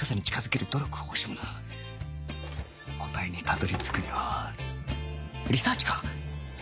答えにたどり着くにはリサーチか！